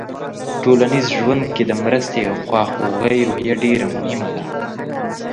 ټولنیز ژوند کې د مرستې او خواخوږۍ روحیه ډېره مهمه ده.